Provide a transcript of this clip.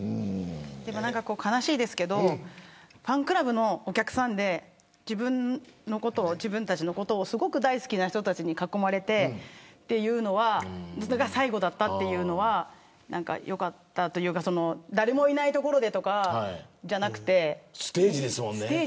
悲しいですけどファンクラブのお客さんで自分たちのことをすごく大好きな人たちに囲まれてそれが最後だったというのはよかったというかステージですもんね。